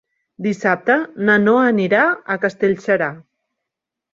Dissabte na Noa anirà a Castellserà.